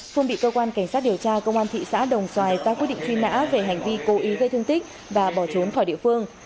phương bị cơ quan cảnh sát điều tra công an thị xã đồng xoài ra quyết định truy nã về hành vi cố ý gây thương tích và bỏ trốn khỏi địa phương